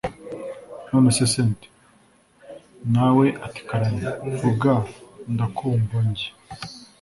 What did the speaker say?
nonese cynti!.. nawe ati karame! vuga ndakumva! njye